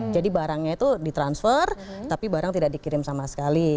jadi barangnya itu di transfer tapi barang tidak dikirim sama sekali